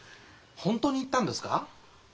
本当に言ったんですか？